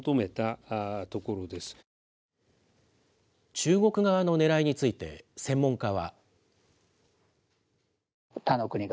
中国側のねらいについて、専門家は。